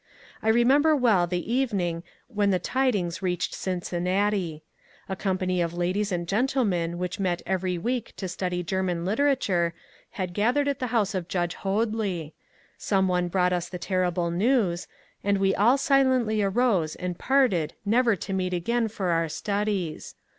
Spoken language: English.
I remember well the evening when the tidings reached Cincinnati. A company of ladies and gentle men which met every week to study German literature had gathered at the house of Judge Hoadly ; some one brought us the terrible news, and we all silently arose and parted never to meet again for our studies.